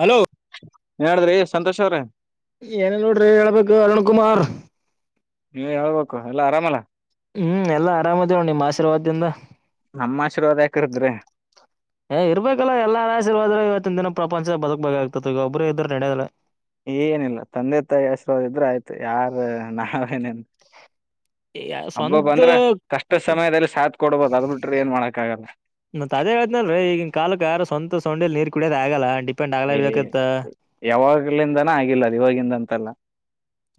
Hello. ಏನ್ ಹೇಳಿದ್ರಿ ಸಂತೋಷ ಅವ್ರೆ. ಏನ ನೋಡ್ರಿ ಹೇಳ್ಬೇಕು ಅರುಣ್ ಕುಮಾರ್. ಹ್ಮ ಹೇಳ್ಬೇಕು ಎಲ್ಲಾ ಆರಾಮಲ್ಲ. ಹ್ಮ್ ಎಲ್ಲಾ ಆರಾಮದೇವ ನಿಮ್ಮ್ ಆಶೀರ್ವಾದದಿಂದ. ನಮ್ಮ ಆಶೀರ್ವಾದ ಯಾಕಿರದ್ರಿ ಏ ಇರ್ಬೇಕಲ್ಲ ಎಲ್ಲ ಆಶಿರ್ವಾದ್ರ ಇವತ್ತಿನ ದಿನ ಪ್ರಪಂಚ ಬದಕ್ ಬ ಆಗ್ತತ್ ಈಗ ಒಬ್ಬರು ಇದ್ರರು ನಡೆದಿಲ್ಲ. ಏನಿಲ್ಲ ತಂದೆ ತಾಯಿ ಆಶೀರ್ವಾದ ಇದ್ರೆ ಆಯ್ತು ಯಾರ ನಾವೇನೇನ್. ಹಬ್ಬ ಸ್ವಂತ ಬಂದ್ರೆ ಕಷ್ಟ ಸಮಯದಲ್ಲಿ ಸಾತ್್ ಕೊಡ್ಬೋದು ಅದ ಬಿಿಟ್ರೆ ಏನ್ ಮಾಡಕ್ಕ ಆಗಲ್ಲ. ಮತ್ತತ್ ಅದೇತನಲ್ರಿ ಈಗ ಕಾಲಕ್ ಯಾರ ಸ್ವಂತ ಸೊಂಡಲಿ ನೀರ್ ಕುಡಿಯದ ಆಲ್ಲ ಅಂಟಿ. ಏ ಯಾವಾಗ್ಲಿಂದನ ಆಗಿಲ್ಲ ಅದು ಇವಾಗಿಂದ ಅಂತಲ್ಲ.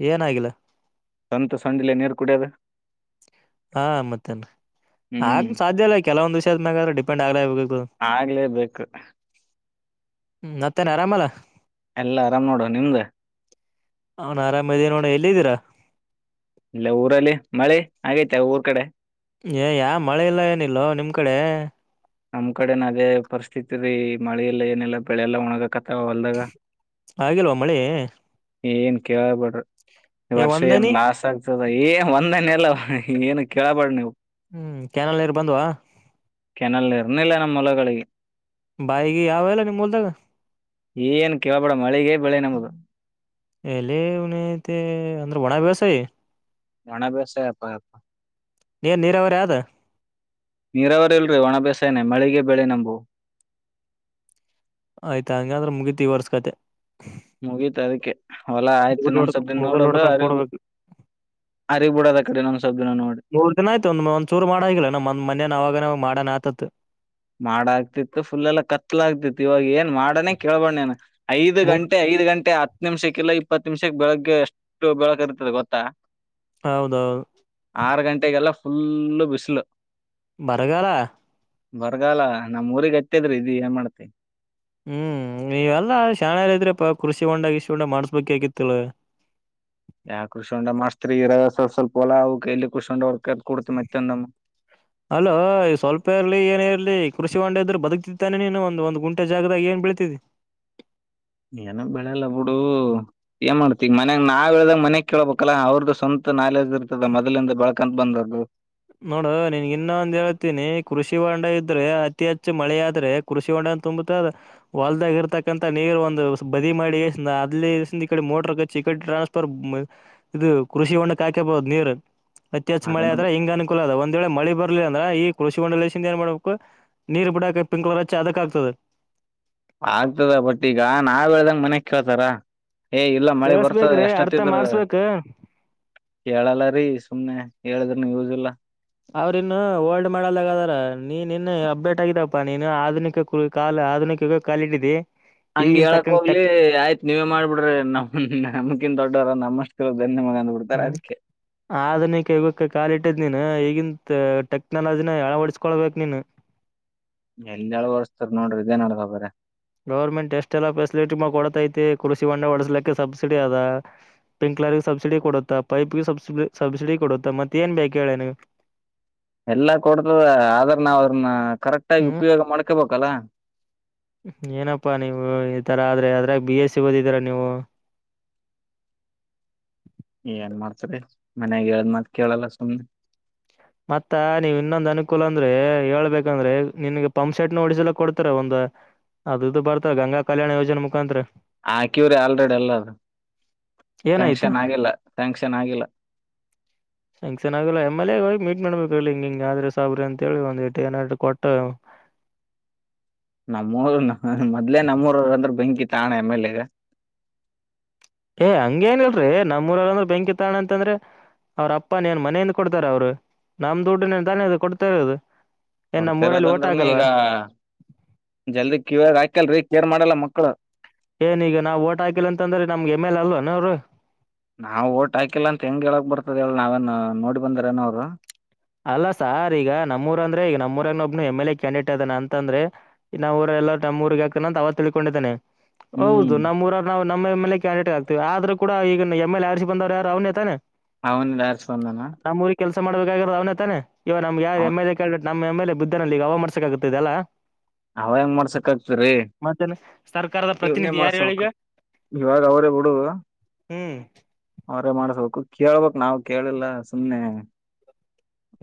ಏನಾಗಿಲ್ಲ. ಸಂತ ಸಂಜಲೆ ನೀರು ಕುಡಿಯದ. ಹಾ ಮತ್ತೇನೆ. ಆಗ್ ಹ್ಮ್ ಸಾಧ್ಯ ಇಲ್ಲ ಕೆಲವೊಂದು ವಿಷ ಆದ್ಯಾದ್ರ ಪಂಡ್ ಆಗ್ಲೇಬೇಕ. ಅದೇಕ. ಹ್ಮ ಮತ್ತೇನೆ ಅರಾಮಲ್ಲ. ಎಲ್ಲ ಆರಾಮ್ ನೋಡುವ ನಿಮ್ದೇ. ಅವಾನ್ ಆರಾಮ ಇದ ನೋಡ ಎಲ್ಲಿದ್ದೀರಾ. ಇಲ್ಲ ಊರಲ್ಲಿ ಮಳೆ ಆಗೈತೆ ಊರ್ ಕಡೆ. ಏ ಯಾ ಮಳೆ ಇಲ್ಲ ಏನಿಲ್ಲವ ನಿಮ್ ಕಡೆ. ನಮ್ ಕಡೆ ನ ಅದೇ ಪರಿಸ್ಥಿತಿ ರೀ ಮಳೆಲ್ಲ ಏನೆಲ್ಲ ಬೆಳೆಲ್ಲ ಒಣಗಕತ್ತ. ಅಲ್ದಾಗ ಆಗಿಲ್ವಾ ಮಳಿ ಏನ್ ಕಳ್ಬಡ್ರಿ. ಈ ಏ ವರ್ಷ ಏನ್ ಒಂದನಿ ಲಾಸ್ ಆಗ್ತದ ಏನ್ ಒಂದನ ಎಲ್ಲ ಏನು ಕೇಳಬೇಡ ನೀವು. ಹ್ಮ್ ಕ್ಯಾನಲ್ನರ್ ಬಂದ್ವಾ. ಕೆನಲ್ ಇರ್ನಿಲ್ಲ ನಮ್ಮ ಮಲಗಳಿಗೆ. ಬಾಯಿಗೆ ಯಾವೆಲ್ಲ ನಿಮ್ಮ್ ಉಲ್ದಾಗ. ಏನ್ ಕೇಳ್ಬಡ ಮಳಗ ಬೆಳೆ ನಮದು. ಎಲ್ಲನ ಅಂದ್ರ ವಣ ಬ್ಯಸಾಯ. ಜಣ ಬ್ಯವಸಾಯ ಅಪ್ಪ ಅಪ್ಪ. ನೀನ್ ನೀರಾವರಿ ಅದು. ನೀರಾವರಿ ಇಲ್ರರಿ ಒಣ ಬೇಸ ನೆ ಮಳಿಗೆ ಬೆಳೆ ನಂಬು. ಆಯ್ತಾ ಹಂಗಂದ್ರೆ ಮುಗೀತಿ ವರ್ಸ್ ಕತೆ. ಮುಗೀತ ಅದಕ್ಕೆ ಹೊಲಾ ಆಯ್ತು ಮುಗಲ್ ಇನ್ನೊಂದ್ ಹೊಡ್ಕ ಸ್ವಲ್ ದಿನ ಮುಗಲ್ ನೋಡೋದು ಹೊಡ್ಕೊಂಡ್ ಅರಿು. ಕೂಡ್ಬೇಕು ಅರಿಗ್ ಬಿಡದ ಅಕಡಿ ಇನ್ನೋಂದ ಸ್ವಲ್ಪ ದಿನ ನೋಡಿ ಮೂರ್ ದಿನ ಆಯ್ತ ಒಂದ್ ಒಂದ್ ಚೂರು ಮಾಡ ಆಗಿಲ್ಲ ನಮ್ಮ್ ಮನೇನ ಅವಾಗ ಮಾಡನ ಆತಿತ್ ಮಾಡ ಆಗ್ತಿತ್ತು ಫುಲೆಲ್ಲ ಕತ್ಲ ಆಗ್ತಿತ್ತು ಇವಾಗ ಏನ್ ಮಾಡನೇ ಕೇಳ್ಬೇಡ ನೀನ್ ಐದ ಮೂರ್ ಗಂಟೆ ಐದ ಗಂಟೆ ಹ ಹತ್ತ್ ನಿಮಿಷಕ್ಕಿಲ್ಲ ಇಪ್ಪತ್ ನಿಮಿಷಕ್ಕ ಬೆಳಗ್ಗೆ ಎಷ್ಟು ಬೆಳಗ್ಗೆ ಇರ್ತ್ತೆದ ಗೊತ್ತಾ ಹೌದೌದು ಆರ ಗಂಟೆಗೆಲ್ಲ ಫುಲ್ಲ್ ಬಿಸಲ್ ಬರಗಾಲ ಬರ್ಗಲ್ಲ ನಮ್ಮ್ ಊರಿಗ ಹತ್ತೆದ್ರಿ ಇದಿ ಏನ್ ಮಾಡ್ತಿ ಹ್ಮ್ ನೀವೆಲ್ಲಾ ಶಾಣ್ಯರದರಿಪ್ ಇದ್ರೆಪ ಕೃಷಿ ಹೊಂಡ ಗಿಸಿ ಹೊಂಡಾ ಮಾಡ್ಸ್ಬೇಕ ಆಗಿತ್ತಿಲ್ಲ್ ಯಾ ಕೃರ್ಷಿಹೊಂಡ್ ಮಾಡಸ್ತ್ರಿ ಇರದ ಸ್ವಲ್ ಸ್ವಲ್ಪ ಹೊಲಾ ಅವ್ಕ್ ಎಲ್ಲಿ ಕೃಷಿ ಹೊಂಡ ಹೊರ್ಕದ ಕೊಡ್ತತಿ ಮತ್ತಂದೊಮ್ಮ್ [inaudible] ಅಲೋ ಸ್ವಲ್ಪ ಇರಲಿ ಏನ ಇರ್ಲಿ ಕೃಷಿ ಹೂಂಡ ಇದ್ರ ಬದಗ್ತಿತಾನೆ ನೀನು ಒಂದ ಒಂದು ಗುಂಟೆ ಜಾಗದಾಗ ಏನ್ ಬೆಳ್ತಿದ್ದಿ ಏನು ಬೆಳೆಲ್ಲ ಬುಡು ಏನ್ ಮಾಡ್ತತಿಗ ಮನ್ಯಾಗ ನಾವ ಹೇಳ್ದಂಗ ಮನ್ಯಾಗ ಕೇಳ್ಬೇಕಲ್ಲಾ ಅವ್ರದು ಸ್ವಂತ ನಾಲೆಡ್ಜ್ ಇರ್ತದ ಮೊದಲಿಂದ ಬೆಳ್ಕಂತ ಬಂದದು ನೋಡು ನಿನಗ್ ಇನ್ನೊಂದ್ ಹೇಳ್ತೀನಿ ಕೃಷಿ ಹೊಂಡ ಇದ್ರೆ ಅತಿ ಹೆಚ್ಚು ಮಳೆ ಆದ್ರೆ ಕೃಷಿ ಹೊಂಡನ ತುಂಬತ್ತದ್ ಹೊಲ್ದಾಗಿ ಇರ್ತಕ್ಕಂತ ನೀರು ಒಂದ ಬದಿ ಮಾಡಿಗೆಸಿಂದ ಅಲ್ಲಿದಾಸಿಂದ ಈಕಡ ಮೋಟರ್ ಕಚ್ಚಿ ಈ ಕಡೆ ಟ್ರಾಸ್ ತ್ತರ್ ಇದು ಕೃಷಿ ಹೊಂಡಕ್ ಹಾಕೆಬಹುದು ನೀರ್ ಅತ್ತಿ ಹೆಚ್ಚ ಮಳೆ ಅದನ್ನು ಆದ್ರ ಹಿಂಗನ್ ಕುಲ ಅದ ಒಂದ ವೇಳೆ ಮಳಿ ಬರ್ಲಿಲ್ಲ್ ಅಂದ್ರ ಈ ಕೃಷಿ ಹೊಂಡಲೇಶಿಂದ ಏನ್ ಮಾಡ್ಬೇಕು ನೀರ್ ಬಿಡಕ್ ಪಿಂಕ್ಲರ್ ಹಚ್ಚಿ ಅದಕ್ ಆಗ್ತದ ಆಗ್ತದ ಬಟ್ ಈಗ ನಾವ್ ಹೇಳ್ದಂಗ ಮನ್ಯಗ ಕೇಳ್ತಾರ ಏ ಇಲ್ಲ ಮಳಿ ಬರ್ತದ ಕೇಳಸ್ಬೇಕ್ರಿ ಎಷ್ಟ ಅರ್ಥ ಹತ್ತಿದ್ರ ಮಾಡ್ಸ್ಬೇಕ್ ಕೇಳಲ್ಲ ರೀ ಸುಮ್ನೆ ಹೇಳಿದ್ರನು ಯೂಸ್ ಇಲ್ಲ್ ಅವ್ರಿನ್ನು ಓಲ್ಡ್ ಮಾಡಲ್ದಾಗದಾರ ನೀನ್ ಇನ್ ಅಬ್ಬೇಟ್ ಆಗಿದಪ್ಪಾ ನೀನ್ ಆಧುನಿಕ ಕು ಕಾಲ ಆಧುನಿಕ ಯುಗಕ ಕಾಲಿಟ್ಟಿದಿ ಹಂಗ ಈಗಿನ ಹೇಳಕ್ ತಕ್ಕಂಗ ಹೋಗ್ಲಿ ಟಕ್ ಆಯ್ತ ನೀವೇ ಮಾಡ್ಬಿಡ್ರಿ ನಮ್ ನಮಕಿನ್ ದೊಡ್ಡರ ನಮ್ಮಸ್ಟ ತಿಳದದೇನ್ ನಿಮಗ ಅಂದ್ಬಿಡ್ರಿ ಹ್ಮ್ ಆಧುನಿಕ ಯುಗಕ್ಕೆ ಕಾಲ ಇಟ್ಟಿದ್ ನೀನ್ ಈಗಿನ್ ಟೆಕ್ನಾಲಜಿನ ಅಳವಡ್ಸ್ಕೊಳ್ಬೇಕ್ ನೀನ್ ಎಲ್ಲ ಅಳವಡಿಸತ್ತೀರಿ ನೋಡ್ರಿ ಇದೇನ್ ನಡದವ ಬರೆ ಗೌರ್ಮೆಂಟ್ ಎಷ್ಟೆಲ್ಲ ಫೆಸಿಲಿಟಿ ಕೊಡತೈತಿ ಕೃಷಿ ಹೊಂಡ ಒಡಸಲಕ್ಕೆ ಸಬ್ಸಿಡಿ ಅದ ಪಿಂಕ್ಲರಿಗೆ ಸಬ್ಸಿಡಿ ಕೊಡುತ್ತಾ ಪೈಪ್ಗೆ ಸಬ್ಸಿ ಸಬ್ಸಿಡಿ ಕೊಡುತ್ತ ಮತ್ತೆ ಏನ್ ಬೇಕ ಹೇಳ ನಿನಗ ಎಲ್ಲಾ ಕೊಡತದ ಆದ್ರ ನಾವ ಅದ್ರನ್ನ ಕರೆಕ್ಟ್ ಆಗಿ ಹ್ಮ್ ಉಪಯೋಗ ಮಾಡ್ಕೊಬೇಕಲ್ಲ ಏನಪ್ಪಾ ನೀವು ಈಥರ ಆದ್ರೆ ಅದ್ರಾಗ ಬಿ ಎಸ್ ಸಿ ಓದಿದೀರಾ ನೀವು [inaudible] ಏನ್ ಮಾಡ್ತರಿ ಮನ್ಯಾಗ ಹೇಳಿದ್ ಮಾತ್ ಕೇಳಲ್ಲ ಸುಮ್ನೆ ಮತ್ತ ನೀವ್ ಇನ್ನೊಂದ್ ಅನುಕೂಲ ಅಂದ್ರೆ ಹೇಳ್ಬೇಕಂದ್ರೆ ನಿನ್ಗ ಪಂಪ್ ಶೆಟ್ ನ ಹೂಡಿಸಲಕ ಕೊಡ್ತರ ಒಂದ್ ಅದ ಇದು ಬರ್ತ ಗಂಗಾ ಕಲ್ಯಾಣ ಯೋಜನೆ ಮುಖಾಂತ್ರ ಆಕ್ಯೂರಿ ಆಲ್ರೆಡಿ ಎಲ್ಲ ಅದ ಏನಾಯ್ತು ಸ್ಯಾಂಕ್ಷನ್ ಆಗಿಲ್ಲ ಸ್ಯಾಂಕ್ಷನ್ ಆಗಿಲ್ಲ [inaudible] ಸ್ಯಾಂಕ್ಷನ್ ಆಗಿಲ್ಲ ಎಮ ಎಲ್ಗ ಹೋಗಿ ಮೀಟ್ ಮಾಡ್ಬೇಕಿರಲ್ಲ ಹಿಂಗ ಹಿಂಗ ಆದ್ರಿ ಸಾಬ್ರೆ ಅಂತ ಹೇಳಿ ಒಂದ ಇಟ್ಟ ಏನರ ಇಟ್ಟ ಕೊಟ್ಟ ನಮ್ಮೂರು ಮೊದ್ಲೆ ನಮ್ಮೂರು ಅಂದ್ರ ಬೆಂಕಿ ತಾಣ ಎಮ ಎಲ್ಗ ಏ ಹಂಗೇನ ಇಲ್ರಿ ನಮ್ಮೂರ ಅಂದ್ರ ಬೆಂಕಿ ತಾಣ ಅಂತಂದ್ರೆ ಅವ್ರಪ್ಪ ಏನ್ ಮನೆಯಿಂದ ಕೊಡ್ತಾರ ಅವ್ರು ನಮ್ದ ದುಡ್ಡನ ತಾನೇ ಕೊಡ್ತಾ ಇರೋದು. ಏನ್ ನಮ್ ಕೊಡ್ತಾ ಊರಲ್ಲಿ ಓಟ್ ಇರೋದಂದ್ರನ ಹಾಕಲ್ವಾ ಈಗ ಜಲ್ದಿ ಕಿವ್ಯಾಗ ಹಾಕ್ಯಲ್ರರಿ ಕೇರ್ ಮಾಡಲ್ಲ ಮಕ್ಕಳ. ಏನೀಗ ನಾವ ಓಟ ಹಾಕಿಲ್ಲ ಅಂತದ್ರ ನಮಗ ಎಮ್ಮೆಲ್ಲೇ ಅಲ್ಲ ಏನ್ ಅವರು. ನಾವ್ ಓಟ್ ಹಾಕಿಲ್ಲ ಅಂತ ಹೆಂಗ ಹೇಳಕ್ ಬರ್ತದ ಹೇಳ ನಾವೇನ್ ನೋಡಿ ಬಂದರೆನ್ ಅವ್ರು. ಅಲ್ಲ ಸಾರ್ ಈಗ ನಮ್ಮೂರ ಅಂದ್ರೆ ಈಗ ನಮ್ಮೂರನೊಬ್ನ ಎಮ್ಮೆಲ್ಲೇ ಕ್ಯಾಂಡೇಟ್ ಅದನ ಅಂತಂದ್ರೆ. ನಾ ಊರ ಎಲ್ಲ ನಮ್ಮೂರಿಗೆ ಹಾಕೆನಂತ ಅವ ತಿಳ್ಕೊಂಡಿದ್ದಾನೆ ಹೌದು ಹ್ಮ್ ನಮ್ಮ ಊರವ್ರ್ ನಾವು ನಮ್ ಎಮ್ಮೆಲ್ಲೇ ಕ್ಯಾಂಡೇಟ್ಗ ಹಾಕ್ತಿವಿ ಆದ್ರೂ ಕೂಡಾ ಈಗಿನ ಎಮ್ಮೆಲ್ಲೇ ಆರಿಸಿ ಬಂದವ್ರ ಯಾರ ಅವನೇ ತಾನೇ. ಅವನ ಆರಿಸಿ ಬಂದಾನ. ನಮ್ಮೂರಿಗೆ ಕೆಲಸ ಮಾಡ್ಬೇಕಾಗಿರೋದ ಅವ್ನೆ ತಾನೇ ಇವಾಗ್ ನಮ್ಗ ಅವ ಯಾರ ಎಮ್ಮೆಲ್ಲೇ ಕ್ಯಾಂಡಿ ನಮ್ಮ ಎಮ್ಮೆಲ್ಲೇ ಬಿದ್ದನ ಅಲ್ಲ ಅವ ಮಾಡಸಾಕ್ ಆಗತ್ತ ಇದೆಲ್ಲಾ. ಅವ ಹೆಂಗ್ ಮಾಡ್ಸಕ್ ಆಗತ್ತರಿ ಮತ್ತೇನೆ ಸರ್ಕಾರದ ಇವನೇ ಪ್ರತಿನಿಧಿ ಯಾರು ಹೇಳೀಗ ಮಾಡ್ಸಬೇಕು. ಇವಾಗ ಅವರೇ ಬಿಡು. ಹ್ಮ್ ಅವ್ರೇ ಮಾಡಸ್ಬೇಕು ಕೇಳ್ಬೇಕ ನಾವ್ ಕೇಳಿಲ್ಲ ಸುಮ್ನೆ.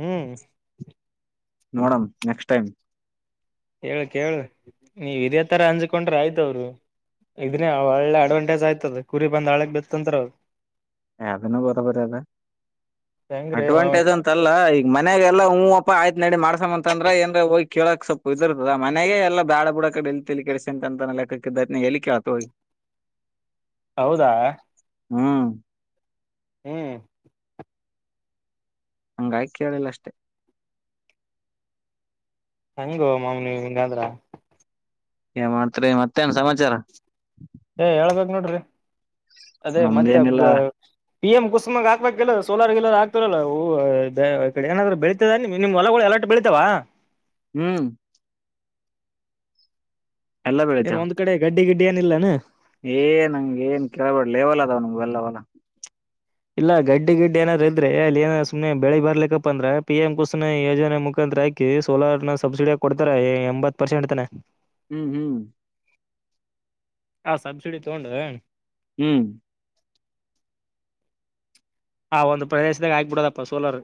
ಹ್ಮ್ ನೋಡಮ ನೆಕ್ಸ್ಟ್ ಟೈಮ್. ಹೇಳ ಕೇಳ ನೀವ ಇದೇ ತರ ಅಂಜಕೊಂಡ್ರ ಆಯ್ತವರು. ಇದನ್ನ ಒಳ್ಳೆ ಅಡ್ವಾಂಟೇಜ್ ಆಯ್ತದ ಕುರಿ ಬಂದ ಹಳ್ಳಕ್ಕ್ ಬಿತ್ತ ಅಂದ್ರರ. ಎ ಅದನ್ನು ಓದ ಬರೆದ. ಹೆಂಗ್ರೀ ಅಡ್ವಾಂಟಜ್ ಮಾವನಿಗೆ ಅಂತಲ್ಲ ಈಗ ಮನ್ಯಾಗಲ್ಲ ಹೂವಪ್ಪ ಆಯ್ತ್ ನಡಿ ಮಾಡ್ಸಮ್ಮ ಅಂತ ಅಂದ್ರ ಏನ್ ಹೋಗಿ ಕೇಳೋಕ್ ಸ್ವಪ್ಪ ಇದಿರ್ತದ ಮನೆಗೆ ಎಲ್ಲ ಬ್ಯಾಡ ಬಿಡ್ ಆಕಡಿ ಎಲ್ಲಿ ತಲಿ ಕೆಡಸ್ಕೊಂತ ಅಂತ ಅನ ಲೆಕ್ಕಕ್ಕ ಇದ್ದತ್ನಾಗ್ ಎಲ್ಲಿ ಕೇಳ ತೊಗಿ. ಹೌದಾ. ಹ್ಮ ಹ್ಮ್ ಹಂಗ ಆಗಿ ಕೇಳಿಲ್ಲ ಅಷ್ಟೇ. ಹೆಂಗೋ ಮಾವ ನೀವ್ ಹಿಂಗಂದ್ರ. ಏನ್ ಮಾಡ್ತೆರಿ ಮತ್ತೇನ್ ಸಮಾಚಾರ. ಏ ಹೇಳ್ಬೇಕ ನೋಡ್ರಿ ಅದೇ ಮತ್ತೆ ನಮ್ದೇನಿಲ್ಲ ಬ ಪಿಎಂ ಕುಸುಮಗ್ ಹಾಕ್ಬೇಕಲ್ಲ ಸೋಲಾರ್ ಗಿಲಾರ್ ಹಾಕ್ತರಲ್ಲ ಓ ದ ಏನಾದ್ರೂ ಬೆಳ ತ್ತದನ್ ನಿಮ್ ಹೊಲಗಳು ಎಲ್ಲಾಟ್ಟು ಬೆಳಿತಾವ. ಹ್ಮ್ ಎಲ್ಲ ಬೆಳೆತ್ತೇವ. ಆ ಕಡೆ ಗಡ್ಡಿ ಗಿಡ್ಡಿ ಏನಿಲ್ಲ ಏನ್. ಏ ನಂಗ ಏನ್ ಕೇಳ್ಬಡ ಲೇವಲ ಅದಾವ ನಮ್ಮೂವ ಎಲ್ಲಾ ಹೊಲ. ಇಲ್ಲ ಗಡ್ಡಿ ಗಿಡ್ಡಿ ಏನಾದ್ರ ಇದ್ರೆ ಅಲ್ಲಿ ಏನ ಸುಮ್ನೆ ಬೆಳೆ ಬರ್ಲಿಕ್ಕಪ್ಪ ಅಂದ್ರ ಪಿಎಂ ಕುಸನ ಯೋಜನೆ ಮುಖಾಂತರ ಆಕಿ ಸೋಲಾರ್ ನ ಸಬ್ಸಿಡಿಯಾಗ ಕೊಡ್ತಾರ ಎ ಎಂಬತ್ತ್ ಪರ್ಸೆಂಟ್ ತನ. ಹ್ಮ್ ಹ್ಮ್ ಆ ಸಬ್ಸಿಡಿ ತಗೊಂಡ. ಹ್ಮ್ ಹ ಒಂದು ಪ್ರದೇಶದಾಗ ಆಗ್ಬಿಡೋದಪ್ಪಾ ಸೋಲರ್.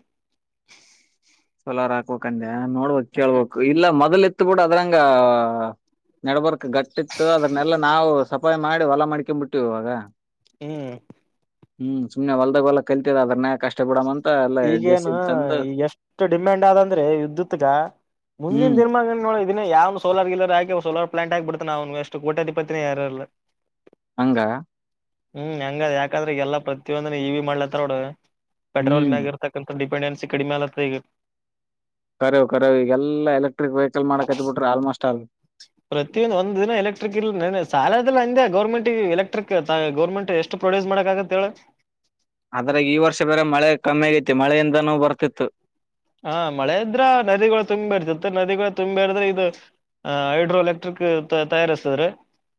ಸೋಲಾರ ಹಾಕ್ಬೇಕ್ ಅಂದ ನೋಡ್ಬಕ್ ಕೇಳ್ಬಬೇಕಕ್ ಇಲ್ಲ ಮೊದ್ಲ್ ಇತ್ತ್ ಬಿಡು ಅದ್ರಂಗ. ನೆಡಬರ್ಕ್ ಗಟ್ಟಿತ್ತು ಅದನ್ನೆಲ್ಲ ನಾವು ಸಪಯ ಮಾಡಿ ಹೊಲ ಮಾಡಿಕೆಂಬಿಟ್ಟಿವ ಇವಾಗ. ಹ್ಮ್ ಹ್ಮ್ ಸುಮ್ನೆ ಹೊಲ್ದಾಗ ಹೊಲ ಕಲ್ತಿದ ಅದ್ರನ್ಯಾಗ್ ಕಷ್ಟ ಪಡಮ್ ಅಂತ ಎಲ್ಲ ಜೆಸಿಬಿ ತಂದ. ಇಷ್ಟ ಡಿಮ್ಯಾಂಡ್ ಆದ ಅಂದ್ರೆ ವಿದ್ಯುತ್ಗ ಮುಂದಿನ ಹ್ಮ್ ದಿನಮಾನಗೋಳ್. ನ್ನ ಯಾವ್ನು ಸೋಲಾರ್ ಗಿಲ್ಲರ್ ಹಾಕಿ ಸೋಲರ್ ಪ್ಲಾಂಟ್ ಹಾಕ್ ಬಿಡ್ತಾನ ಅವ್ನಗಷ್ಟ ಕೋಟ್ಯಧಿಪತಿನ ಯಾರ ಇಲ್ಲ. ಹಂಗ. ಹ್ಮ್ ಹಂಗ ಅದ ಯಾಕಂದ್ರ ಈಗ ಎಲ್ಲಾ ಪ್ರತಿಯೊಂದನ ಇವಿ ಮಾಡ್ಲಾತ್ತಾರ್ ನೋಡ್ ಪೆಟ್ರೋಲ್ ಹ್ಮ್ ಮ್ಯಾಗ. ಇರ್ತಾಕ್ಕಂತ ಡಿಪೆಂಡೆನ್ಸಿ ಕಡಿಮ ಆಗ್ಲಾತ್ತದ್ ಈಗ. ಕರೆವ ಕರೆವ್ ಇಗೆಲ್ಲ ಎಲೆಕ್ಟ್ರಿಕ್ ವೇಹಿಕಲ್ ಮಾಡಕತ್ತ ಬಿಟ್ಟಾರ್ ಆಲ್ಮೋಸ್ಟ್ ಆಲ್. ಪ್ರತಿಯೊಂದ ಒಂದ ದಿನ ಎಲೆಕ್ಟ್ರಿಕ್ ಇಲ್ದ ನ ಸಾಲದಲ್ಲ ಅಂದೇ ಗೋರ್ಮೆಂಟಿಗೆ ಎಲೆಕ್ಟ್ರಿಕ್ ತಾ ಗರ್ಮೆಂಟ್ ಎಷ್ಟ. ಷ್ಟ ಪ್ರೊಡ್ಯೂಸ್ ಮಾಡಕ್ ಆಗತ್ತ ಹೇಳ. ಅದ್ರಾಗ ಈ ವರ್ಷ ಬೇರೆ ಮಳೆ ಕಮ್ಮಿ ಆಗೈತಿ ಮಳೆಯಿಂದಾನೂ ಬರ್ತಿತ್ತು. ಹಾ ಮಳೆ ಇದ್ರ ನದಿಗಳು ತುಂಬಿ ಇರ್ತಿತ್ತ ನದಿಗಳು ತುಂಬಿ ಇರ್ದ್ರೆ ಇದು. ಆ ಹೈಡ್ರೋ ಎಲೆಕ್ಟ್ರಿಕ್ ತಯಾರಿಸ್ತಿದ್ರ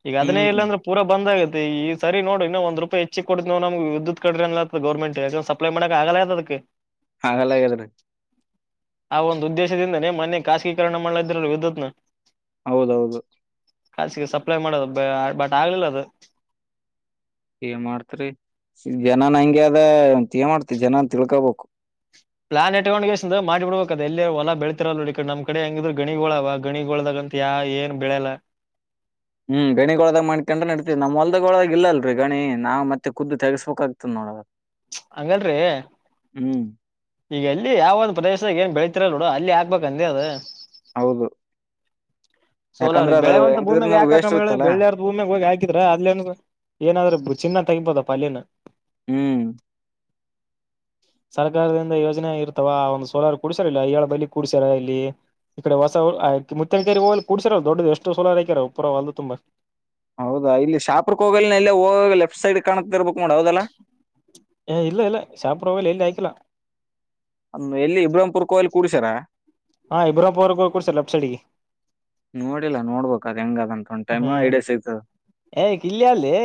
ಈಗ ಅದನ್ನೇ ಹ್ಮ್ ಇಲ್ಲಾಂದ್ರ. ಪೂರ ಬಂದ ಆಾಗತ್ತೆ ಈ ಸರಿ ನೋಡಿ ನ ಒಂದ್ ರೂಪಾಯ ಹೆಚ್ಚ ಕೊಡ ನವು ನಮ್ಗೆಿದ್ಯುತ್ ಕಡ್ರ ಗರ್ಮೆಂಟ್. ಅಪ್ಲೈ ಮಾಡಕ್ಕೆ ಆಗಲ್ಲದಕ್ಕೆ. ಹಾಗಲ್ಲ ಆಗಾದ್ರೀ. ಆ ಒಂದು ಉದ್ದೇಶದಿಂದನೇ ಮನೆ ಖಾಸೀಕರಣ ಮಾಡಲ ಇದ್ರಲ್ ವಿದ್ಯುತ್ನ. ಹೌದೌದು.. ಾಸಿಗೆ ಸಪ್ಲೈ ಮಾಡೋದು ಬಟ್ ಆಗ್ಲಿಲ್ಲ ಅದು. ಏ ಮಾಡ್ತ್ರಿ ಜನನ್ ಹಂಗಗೆ ಅದಂತ ಏ ಮಾಡ್ತಿರಿ ಜನನ್ ತಿಳ್ಕೋಬೇಕು. ಪ್ಲಾನ್ ಇಟ್ಕೊಂಡ ಮಾಡಿ ಬಿಡ್ಬೇಕ ಅದ ಎಲ್ಲಿ ಹೊಲ ಬೆಳತಿರಲ್ಲ್ಲ ಇಡೆ ನಮ್ಮ ಕಡೆ ಹೆಂಗಿದ್ ಗಿೋಳ ಅವ ಗಣಿಗೋದಾಗ. ಏನ್ ಬೆಳೆಲ್ಲ. ಹ್ಮ್ ಗಣಿಗೊಳದಾಗ ಮಾಡ್ಕೊಂಡ ನಡತೀವಿ ನಮ್ಮ್ ಹೊಲ್ದಗ ಒಳಗ ಇಲ್ಲಲ್ರಿ ಗಣಿ ನಾ ಮತ್ತೆ ುದ್ದು ತೆಸ್ಬೇಕಕ್ ಆತ ನೋಡ. ಹಂಗಲ್ರಿ. ಹ್ಮ್ ಈಗ ಎಲ್ಲಿ ಯಾವ ಒಂದು ಪ್ರದೇಶದ ಏನ್ ಬೆಳೀತಿರ ನೋಡು ಅಲ್ಲಿ ಆಾಕ್ಬೇಕ ಅಂದ ಅದು. ಹೌದು ಸೋಲಾರ ಯಾಕಂದ್ರ ಅದು ಬೆಳೆವಂತ ಭೂಮಿಯಾಗ ಹೆಂಗಿದ್ರನು ಯಾಕಾಕ ವೇಸ್ಟ್ ಮ ಇರುತ್ತಲ್ಲ ಬೆಳ್ಳಿಯರು. ಭೂಮ್ಯಾಗ ಹೋಗಿ ಹಾಕಿದ್ರ ಅದಲೇನು ಏನಾದ್ರರು ಚಿನ್ನ ತೆಿಬೋದ ಪಲ್ಯನ. ಹ್ಮ್- ಸರ್ಕಾರದಿಂದ ಯೋಜನೆ ಇರ್ತವ ಒಂದು ಸೋಲಾರ ಕುಡ್ಸ್ಯಾರಲ್ಲ ಏಳ ಬೈಲಿ ಕುೂಡ್ಸ್ಯಾರ ಇಲ್ಲಿ. ಈಕಡೆ ಹೊಸ ಮುುತ್ತಿನ ಕಕರಿ ಹೋಗ ಕೂಡಸಿರ ದೊಡ್ಡ ಎಷ್ಟು ಸೋಲಾರಾಕ್ಯರ ಅವ ಪರ ಅದು ತುಂಬಾ. ಹೌದಾ ಇಲ್ಲಿ ಶಾಪ್ರಕ್ ಹೋಗ ಎಲ್ಲ ಹೋಗ ಲೆಫ್ ಸೈಡ್ ಕಾಣತ ಇರ್ಬೇಕು ಮಾಡಡ ಹೌದಲ್ಲಾ. ಇಲ್ಲ ಇಲ್ಲ ಶಾಪ ಪ್ರೊವೈಲ್ ಎಲ್ಲಿ ಹ ಆ್ಕಿಲ್ಲಾ. ಅ ಎಲ್ಲಿ ಇಬ್ರಾಂಪರ್ ಕೋ್ಲಿ ಕೂಡಸರಾರ. ಹಾಂಬ್ರೋಪವರ್ ಕ ಕೊಡ್ಸರ್ ಲಫ್ಟ ಸೈಡ್ಿಗೆ. ನೋಡಿಲ್ಲಾ ನೋಡ್ಬಕ್ ಅದು ಹೆಂಗ ಅದಂತ. ಹ್ಮ್ ಏ ಕಲ್ಲಿ ಏ..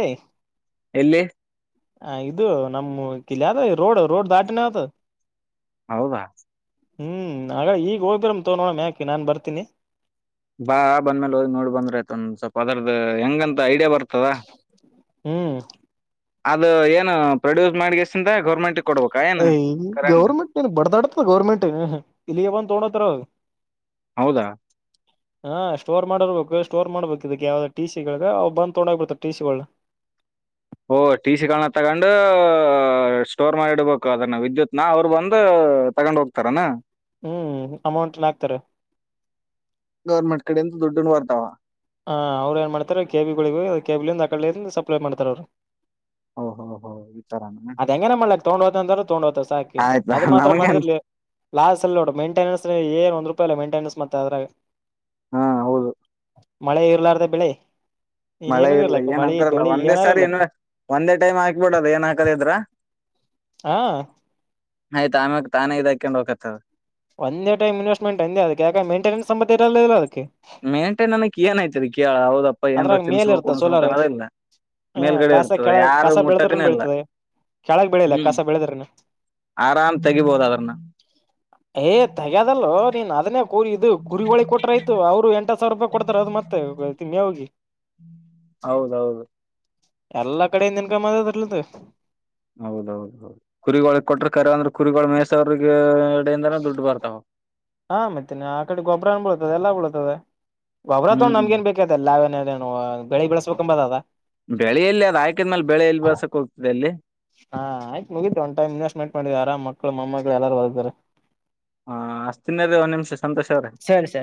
ಎಲ್ಲಿ ಹ ಇದು ನಮ್ಮ ಕಿಲ್ ಯಾವ ರೋಡ್ ರೋಡ್ ದಾಟಿನ ಅತ್. ಹೌದಾ. ಹ್ಮ್ ಹಾಗಗ ಈಗ ಹೋೋಗಿರ್ ತಗ ನೋಣೆ್ಯಾಾಕೆ ನಾ ಬತೀನಿ. ಬಾ ಬಂದ ಮೇಲೆ ಹದ್ ನೋಡ್ ಬಂದ್ರಯತಂದ ಸ್ವಲ್ಪ ಅದ ಹೆಂಗಂತ ಐಡಿಯಾ ಬರ್ತ. ಹ್ಮ್ ಅದು ಏನು ಪ್ರೊಡ್ಯೂಸ್ ಮಾಡಷ್ಟ ಗೌರ್ಮೆಂಟ್. ಕೊಡ್ಬೇಕಾ ಏನು ಕರೆ. ಇ ಬಡದಾಡತದ ಗೌರ್ಮೆಂಟ್ ಇಲ್ಲಿ ಬಂದು ತೋತ್ತತರ. ಹೌದಾ. ಹಾ ಸ್ಟೋರ್ ಮಾಡಿರ್ಬೇಕು ಸ್ಟೋರ್ ಮಾಡ್ಬೇಕು ಇದಕ್ ಯಾವ್ದ ಟ ಸಿಗಳಗವು ಬಂದ ತೊೊಂಡ ಹೋಗ್ ಬಿಡ್ತ ಟಿ ಸಿಗಳು. ಓಹ ಟಿ ಸಿಗಳನ್ನ ತಗೊಂಡ ಸ್ಟೋರ್ ಮಾಡಿಡ್ಬೇಕು ಅದನ್ನ ವಿದ್ಯುತ್ನ ಅವ್ರು ಬಂದು. ತಗೊಂಡ್ ಹೋಗ್ತಾರನಾ. ಹ್ಮ್ ಅಮೌಂಟ್ಲ್ಲ ಹಾಕ್ತಾರೆ. ಗೌರ್ಮೆಂಟ್ ಕಡೆ ಅಂತ ದುಡ್ ಬರ್ತಾವ. ಹಾಂ ಅವ್ರು ಏನು ಮಾಡ್ತಾರೆ ಕೆಬಿಗಳಿಗೆ ಅ ಕೆಬಿಿಯಿಂದ ಆ ಕಡಿಂದ ಸಪ್ಲೈ ಮಾಡ್ತಾರೆ ಅವ್ರು. [unintelligible] ವಿಚಾರ. ಅದ ಹೆಂಗನ ಮಾಡ್ಲಕ್ ತೊಂಡ ಹೋತ ಅ್ರೆ ತಗೊಂಡ್ ಹೋತ ಸಾಕಿ ಆಯ್ತಾ ಅದು ಮಾತ್ರ ನಮಗೇನ್ ಮಾಡಿದರ್ಲಲಿ. ಲಾಸ್ ಅಲ್ಲಿ ನೋ ಮೈಂಟನೆನ್ಸ್ ಏ ಒಂದ ರೂಪಾಯಲ್ಲ ಮೈಂಟನೆನ್ಸ್ತ್ತ ಅದಾಗ. ಹಾ ಹೌದು ಮಳೆ ಇರ್ಲಾರ್ದ ಬೆಳೆ. ನೀನ್ ಮಳೆ ಏನಾರ ಇಲ್ಲ ಇರ್ಲಕ್ಕ ಏನ್ ಮಳಿ ಅಂತಾರಲ್ಲ ಬೆಳಿ ಒಂದೇ ಏನಾರ ಸಾರಿ ಇನ್ ಇರ್ಲಕ್ಕ ಒಂದೇ ಟೈಮ್ ಹಾಕ್ಬಿಡದ ಏನ್ ಹಾಕದ ಇದ್ರ. ಹಾ. ನಯ್ ಆಾಮಾಗ ತಾನೇ ಇದಾಕೊಂಡ್ ಹೋಗಕತವ. ಒಂದೇ ಟೈಮ ಇವೆಸ್ಟ್್ಮೆಟ್ ಅಂದ ಅದ ಯಾಕ ಮಂಟನೆನ್ ಸಂಬಂ ಇರಲಿಲ್ಲ ಅದಕ್ಕೆ. ಮೇಂಟೈನ್ನ್ಕ್ ಏನ್ಐತಿರಿ ಕೇಳ ಹದಪ್ಪ ಏನ್ ಅದ್ರಾಗ ಮೇಲ್ ಇರ್ತ ತಿನ್ಸ್ಬೇಕಕ್ುಣ್ಸ್ಬೇಕಕ್ ಸೋಲಾರ್ ಅನ್ನೋದ ಇಿಲ್ಲ. ಹ ಮೇಲ್ಗಡೆ ಕಸ ಇರ್ತದೆ ಕೆಳಗ ಯಾರು ಕಸ ಮುಟ್ಟಕನ ಬೆಳದ್ರನು ಎಲ್ಲ. ಬೆಳೀತದೆ ಕೆಳಗ್ ಬೆಳಿಲ್ಲ ಹ್ಮ್ ಕಸ ಬೆಳದ್ರನು ಆರಾಮ್ ತೆಗಿಬೋದ ಅದ್ರನ್ನ. ಏ್ ತಗ್ಯದಲ್ಲೋ ನೀನ್ ಅದನ್ನೇ ಕರಿ ಇದು ಕುರಿಗಳೋಳಿ ಕೊಟ್ರಾಯ್ತು ಅವ್ರು ಎಂಟ ಸಾವ. ರೂಪಾಯಿ ಕೊಡ್ತಾರೆ ಅದು ಮತ್ತೆ ತಿಮ್ಮಿ ಹೋಗಿ. ಹೌದೌದು. ಎಲ್ಲಾ ಕಡೆಯಿಂದ ಇನ್ಕಮ್ಮ್ ಅದ ಅದರ್ಲ್ದ. ಹೌದೌದು ಹೌದು ಕುರಿಗಳ ಕೊಟ್ರೆ ಕರೆ ಅಂದ್ರೆ ಕುರಿಗಳು ಮೇಸವ್ರಿಗೆ ಎಡೆಯಿಂದನ ದುಡ್ಡು ಬರ್ತಾವ. ಹಾ ಮತ್ತೇನೆ ಆ ಕಡೆ ಗೊಬ್ಬ್ರನ್ ಬಳತದೆ ಎಲ್ಲ ಬಳತದ ಗೊಬ್ರ ತೊಂಡ್ ಹ್ಮ್ ನಮ್ಗೇನ್ ಬೇಕು. ದಲ್ಲ ೇನಾರೇ ಬೆಳಿ ಬೆಳೆಸ್ಬೇಕಕಂಬದದ. ಬೆಳೆಯಲ್ಲಿ ಅದು ಆಯಕಿದ ಮೇಲೆ ಬೆಳೆ ಎೆಯಲ್ಲಿ ಬಳಸಕ್ ಹೋಗ್ತಿದೆ ಅಲ್ಲಿ. ಹಾ ಆಯ್ತ್ ಮುಗತ್ ಒ್ ಟೈಮ ಇನ್ವೆಸ್್ಮೆಂ ಮಾಡ್ ಆರಾಮ ಮಮ್ಮ ಮಳ ಎಲ್ಲಾರ ಬರ್ತಾರೆ. ಹ ಅಷ್ಟತಿನ್ರೀ ಒಂದ್ ನಿಮಿಷ ಸಂತೋಷ ಅವ್ರೆ. ಸರಿ ಸರಿ